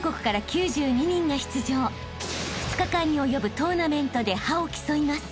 ［２日間に及ぶトーナメントで覇を競います］